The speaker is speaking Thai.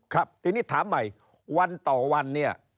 ครับทีนี้ถามใหม่วันต่อวันเนี่ย